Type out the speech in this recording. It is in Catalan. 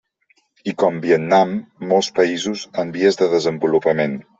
I com Vietnam, molts països en vies de desenvolupament.